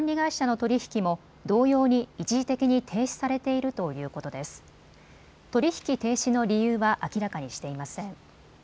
取り引き停止の理由は明らかにしていません。